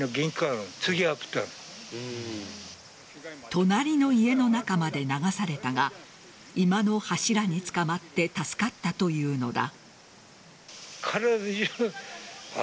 隣の家の中まで流されたが居間の柱につかまって助かったというのだ。